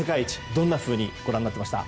どんな風にご覧になってました？